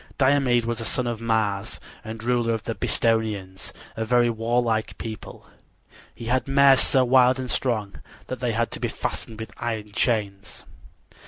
Diomede was a son of Mars and ruler of the Bistonians, a very warlike people. He had mares so wild and strong that they had to be fastened with iron chains.